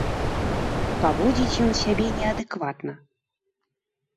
Паводзіць ён сябе неадэкватна.